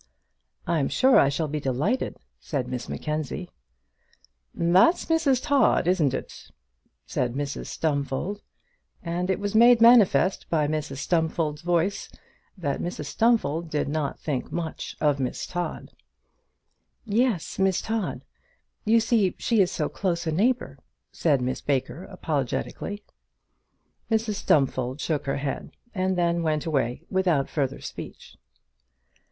"I'm sure I shall be delighted," said Miss Mackenzie. "That's Miss Todd, is it?" said Mrs Stumfold; and it was made manifest by Mrs Stumfold's voice that Mrs Stumfold did not think much of Miss Todd. "Yes; Miss Todd. You see she is so close a neighbour," said Miss Baker, apologetically. Mrs Stumfold shook her head, and then went away without further speech.